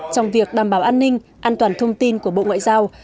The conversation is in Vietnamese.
trong việc đảm bảo an ninh an toàn thông tin của bộ ngoại giao